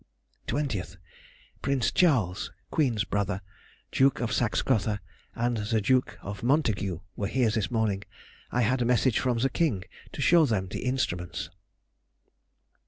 20th.—Prince Charles (Queen's brother) Duke of Saxe Gotha and the Duke of Montague were here this morning. I had a message from the King to show them the instruments.